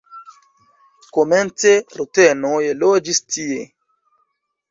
Komence rutenoj loĝis tie.